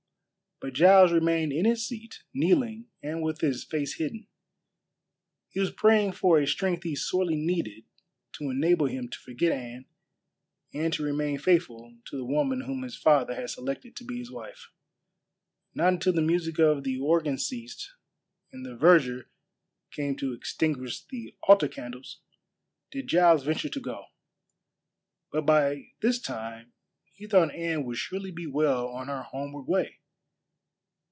But Giles remained in his seat, kneeling and with his face hidden. He was praying for a strength he sorely needed to enable him to forget Anne and to remain faithful to the woman whom his father had selected to be his wife. Not until the music of the organ ceased and the verger came to extinguish the altar candles did Giles venture to go. But by this time he thought Anne would surely be well on her homeward way.